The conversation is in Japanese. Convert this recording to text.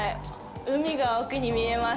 海が奥に見えます。